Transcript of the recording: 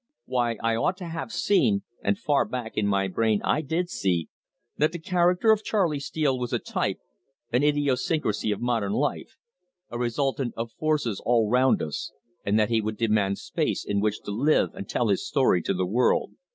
Why, I ought to have seen and far back in my brain I did see that the character of Charley Steele was a type, an idiosyncrasy of modern life, a resultant of forces all round us, and that he would demand space in which to live and tell his story to the world....